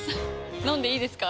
飲んでいいですか？